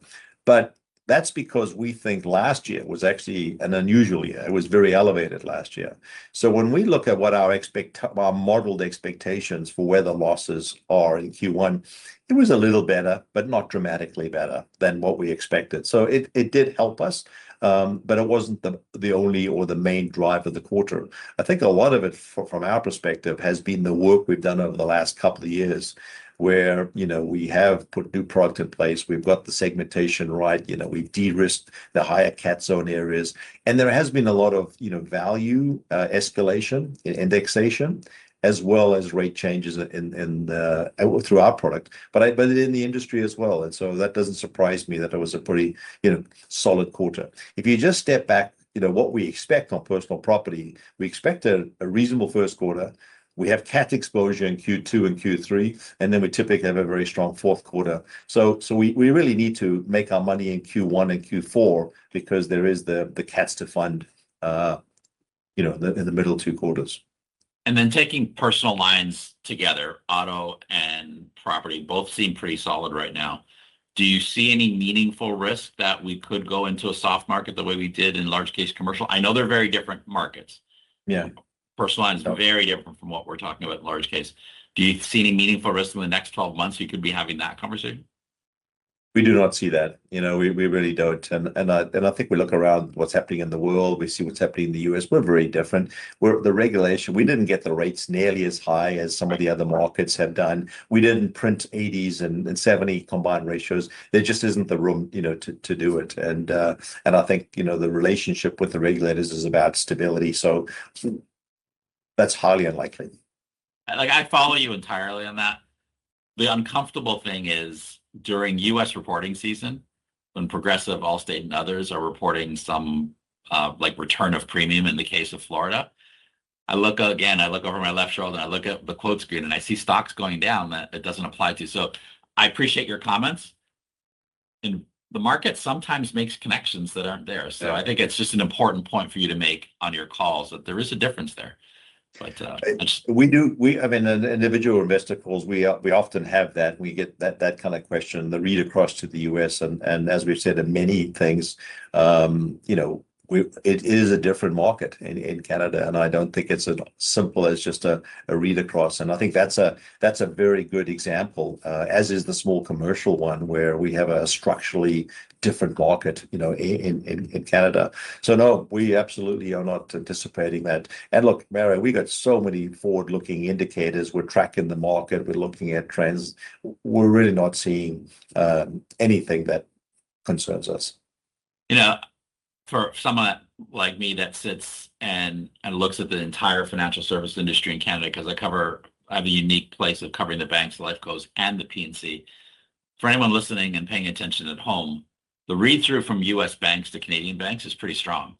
That's because we think last year was actually an unusual year. It was very elevated last year. When we look at what our modeled expectations for weather losses are in Q1, it was a little better, but not dramatically better than what we expected. It, it did help us, but it wasn't the only or the main driver of the quarter. I think a lot of it from our perspective has been the work we've done over the last couple of years where, you know, we have put new product in place. We've got the segmentation right. You know, we de-risked the higher CAT zone areas. There has been a lot of, you know, value, escalation, indexation, as well as rate changes through our product. In the industry as well, that doesn't surprise me that it was a pretty, you know, solid quarter. If you just step back, you know, what we expect on personal property, we expect a reasonable first quarter. We have CAT exposure in Q2 and Q3, we typically have a very strong fourth quarter. We really need to make our money in Q1 and Q4 because there is the CATs to fund, you know, in the middle two quarters. Taking personal lines together, auto and property both seem pretty solid right now. Do you see any meaningful risk that we could go into a soft market the way we did in large case commercial? I know they're very different markets. Yeah. Personal lines very different from what we're talking about in large case. Do you see any meaningful risk in the next 12 months we could be having that conversation? We do not see that. You know, we really don't. I think we look around what's happening in the world, we see what's happening in the U.S. We're very different. The regulation, we didn't get the rates nearly as high as some of the other markets have done. We didn't print 80s and 70 combined ratios. There just isn't the room, you know, to do it. I think, you know, the relationship with the regulators is about stability. That's highly unlikely. Like, I follow you entirely on that. The uncomfortable thing is during U.S. reporting season, when Progressive, Allstate, and others are reporting some, like return of premium in the case of Florida, I look, again, I look over my left shoulder and I look at the quote screen and I see stocks going down that it doesn't apply to. I appreciate your comments, and the market sometimes makes connections that aren't there. Yeah. I think it's just an important point for you to make on your calls that there is a difference there. We do, I mean, in individual investor calls we often have that. We get that kind of question, the read across to the U.S. As we've said in many things, you know, it is a different market in Canada, and I don't think it's as simple as just a read across. I think that's a very good example, as is the small commercial one where we have a structurally different market, you know, in Canada. No, we absolutely are not anticipating that. Look, Mario, we got so many forward-looking indicators. We're tracking the market. We're looking at trends. We're really not seeing anything that concerns us. You know, for someone like me that sits and looks at the entire financial service industry in Canada, I have a unique place of covering the banks, the life cos, and the P&C, for anyone listening and paying attention at home, the read through from U.S. banks to Canadian banks is pretty strong.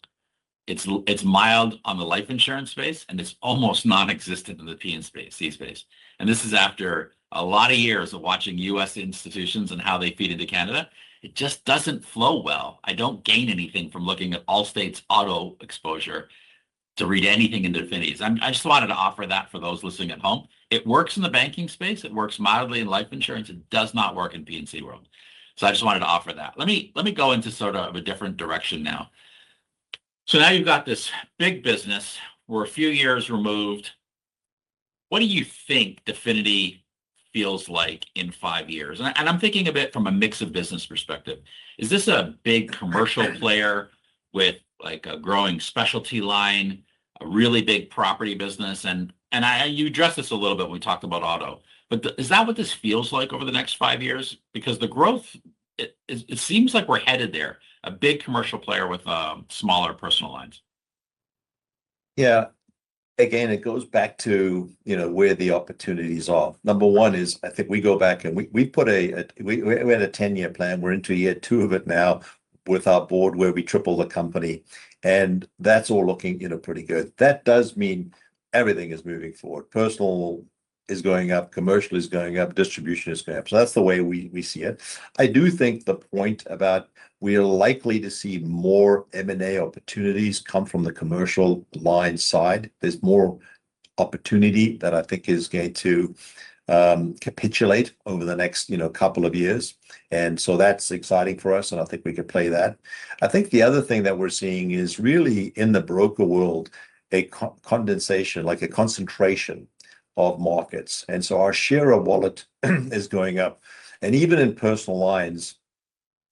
It's mild on the life insurance space, and it's almost non-existent in the P&C space. This is after a lot of years of watching U.S. institutions and how they feed into Canada. It just doesn't flow well. I don't gain anything from looking at Allstate's auto exposure to read anything into Definity's. I just wanted to offer that for those listening at home. It works in the banking space. It works mildly in life insurance. It does not work in P&C world. I just wanted to offer that. Let me, let me go into sort of a different direction now. Now you've got this big business. We're a few years removed. What do you think Definity feels like in five years? I, and I'm thinking of it from a mix of business perspective. Is this a big commercial player with, like, a growing specialty line, a really big property business? I, you addressed this a little bit when we talked about auto. The, is that what this feels like over the next five years? Because the growth, it, it seems like we're headed there, a big commercial player with, smaller personal lines. Yeah. Again, it goes back to, you know, where the opportunities are. Number one is I think we go back and we had a 10-year plan. We're into year two of it now with our board, where we triple the company. That's all looking, you know, pretty good. That does mean everything is moving forward. Personal is going up, commercial is going up, distribution is going up. That's the way we see it. I do think the point about we're likely to see more M&A opportunities come from the commercial line side. There's more opportunity that I think is going to capitulate over the next, you know, a couple of years. That's exciting for us, and I think we could play that. I think the other thing that we're seeing is really in the broker world, a concentration of markets. Our share of wallet is going up. Even in personal lines,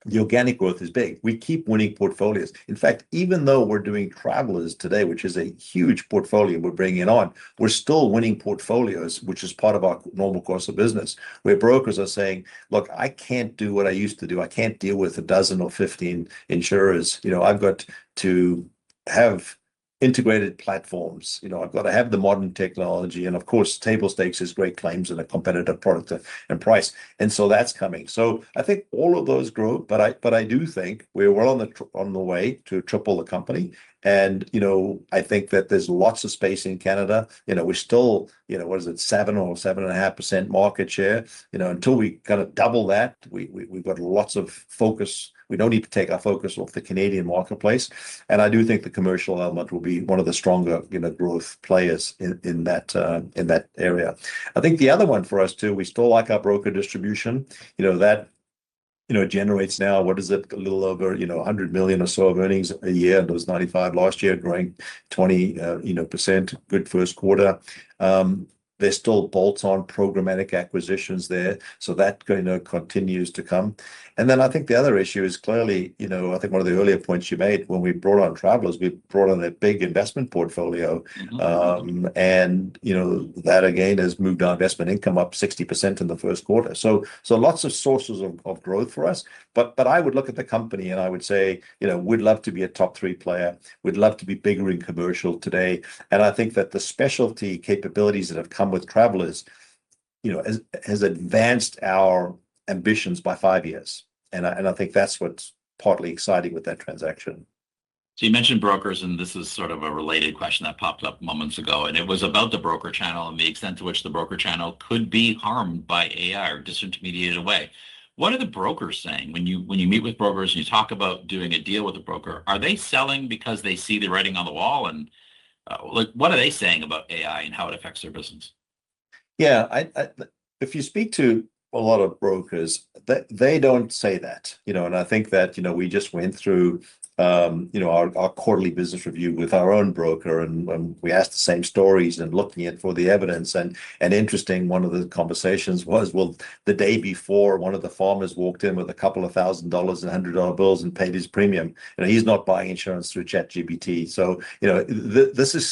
the organic growth is big. We keep winning portfolios. In fact, even though we're doing Travelers today, which is a huge portfolio we're bringing on, we're still winning portfolios, which is part of our normal course of business, where brokers are saying, "Look, I can't do what I used to do. I can't deal with a dozen or 15 insurers. You know, I've got to have integrated platforms. You know, I've got to have the modern technology." Of course, table stakes is great claims and a competitive product and price. That's coming. I think all of those grow, but I do think we're well on the way to triple the company. You know, I think that there's lots of space in Canada. You know, we're still, you know, what is it, 7% or 7.5% market share. You know, until we kind of double that, we've got lots of focus. We don't need to take our focus off the Canadian marketplace. I do think the commercial element will be one of the stronger, you know, growth players in that area. I think the other one for us too, we still like our broker distribution. You know, that, you know, generates now, what is it, a little over, you know, 100 million or so of earnings a year. It was 95% last year, growing 20%. Good first quarter. There's still bolts on programmatic acquisitions there, so that, you know, continues to come. I think the other issue is clearly, you know, I think one of the earlier points you made, when we brought on Travelers, we brought on a big investment portfolio. You know, that again has moved our investment income up 60% in the first quarter. Lots of sources of growth for us. I would look at the company and I would say, you know, we'd love to be a top three player. We'd love to be bigger in commercial today. I think that the specialty capabilities that have come with Travelers, you know, has advanced our ambitions by five years. I think that's what's partly exciting with that transaction. You mentioned brokers, and this is sort of a related question that popped up moments ago, and it was about the broker channel and the extent to which the broker channel could be harmed by AI or disintermediated away. What are the brokers saying? When you meet with brokers and you talk about doing a deal with a broker, are they selling because they see the writing on the wall and, like, what are they saying about AI and how it affects their business? Yeah, if you speak to a lot of brokers, they don't say that, you know? I think that, you know, we just went through, you know, our quarterly business review with our own broker and we asked the same stories and looking at for the evidence. Interesting, one of the conversations was, well, the day before, one of the farmers walked in with a couple of thousand dollars, a hundred dollar bills and paid his premium, you know, he's not buying insurance through ChatGPT. You know, this is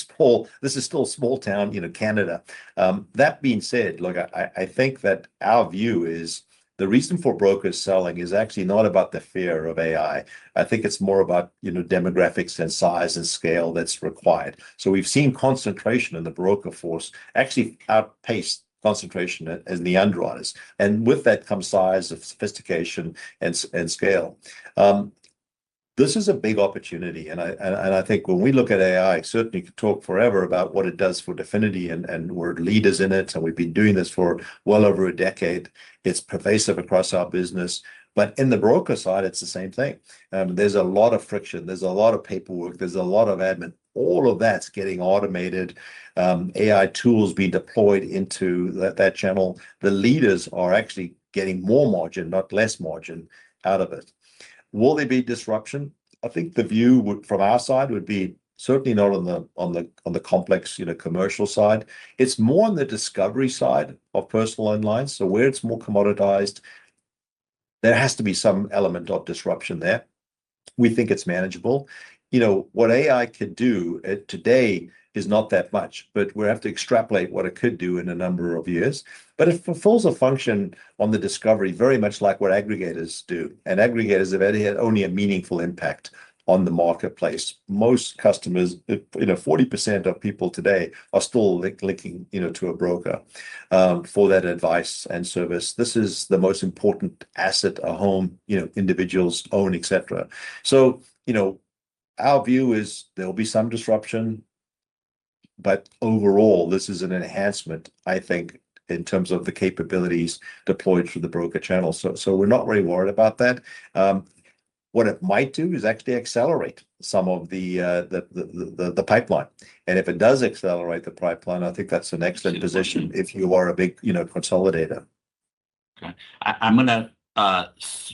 still small town, you know, Canada. That being said, look, I think that our view is the reason for brokers selling is actually not about the fear of AI. I think it's more about, you know, demographics and size and scale that's required. We've seen concentration in the broker force actually outpace concentration in the underwriters. With that comes size of sophistication and scale. This is a big opportunity, and I think when we look at AI, certainly could talk forever about what it does for Definity and we're leaders in it, and we've been doing this for well over a decade. It's pervasive across our business. In the broker side, it's the same thing. There's a lot of friction, there's a lot of paperwork, there's a lot of admin. All of that's getting automated. AI tools being deployed into that channel. The leaders are actually getting more margin, not less margin out of it. Will there be disruption? I think the view would, from our side, be certainly not on the complex, you know, commercial side. It's more on the discovery side of personal loan lines. Where it's more commoditized, there has to be some element of disruption there. We think it's manageable. You know, what AI could do today is not that much, but we have to extrapolate what it could do in a number of years. It fulfills a function on the discovery very much like what aggregators do, and aggregators have only had only a meaningful impact on the marketplace. Most customers, you know, 40% of people today are still clicking, you know, to a broker for that advice and service. This is the most important asset a home, you know, individuals own, et cetera. You know, our view is there'll be some disruption, but overall, this is an enhancement, I think, in terms of the capabilities deployed through the broker channel. So we're not very worried about that. What it might do is actually accelerate some of the pipeline. If it does accelerate the pipeline, I think that's an excellent position. Interesting. if you are a big, you know, consolidator. Okay. I'm gonna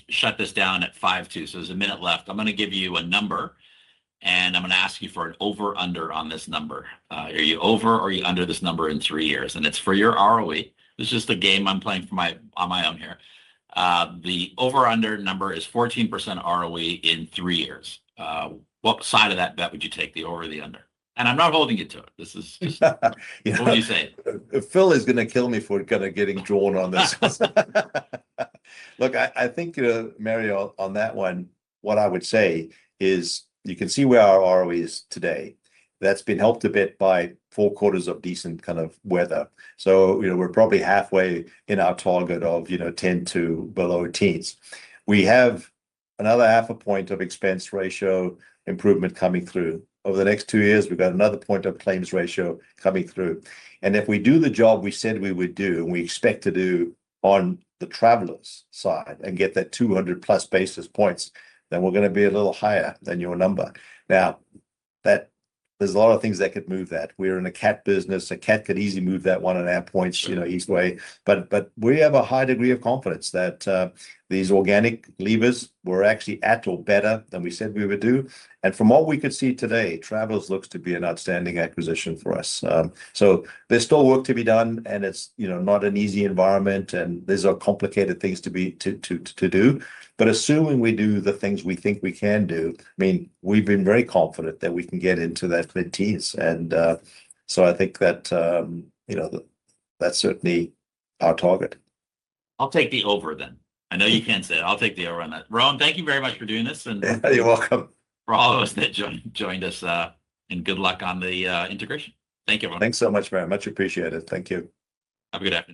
shut this down at five to. There's a minute left. I'm gonna give you a number. I'm gonna ask you for an over-under on this number. Are you over or are you under this number in three years? It's for your ROE. This is the game I'm playing on my own here. The over-under number is 14% ROE in three years. What side of that bet would you take, the over or the under? I'm not holding you to it. This is just. Yeah. What would you say? Phil is gonna kill me for kind of getting drawn on this. Look, I think, Mario, on that one, what I would say is you can see where our ROE is today. That's been helped a bit by four quarters of decent kind of weather. You know, we're probably halfway in our target of, you know, 10 to below teens. We have another half a point of expense ratio improvement coming through. Over the next two years, we've got another point of claims ratio coming through. If we do the job we said we would do, and we expect to do on the Travelers side and get that 200 plus basis points, then we're gonna be a little higher than your number. Now, there's a lot of things that could move that. We're in a CAT business. A CAT could easily move that 1.5 points, you know, either way. We have a high degree of confidence that these organic levers were actually at or better than we said we would do. From what we could see today, Travelers looks to be an outstanding acquisition for us. There's still work to be done, and it's, you know, not an easy environment, and these are complicated things to do. Assuming we do the things we think we can do, I mean, we've been very confident that we can get into that mid-teens. I think that, you know, that's certainly our target. I'll take the over then. I know you can't say it. I'll take the over on that. Rowan, thank you very much for doing this. You're welcome. For all of us that joined us, good luck on the integration. Thank you, Rowan. Thanks so much, Mario. Much appreciated. Thank you. Have a good afternoon.